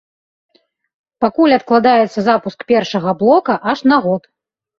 Пакуль адкладаецца запуск першага блока аж на год.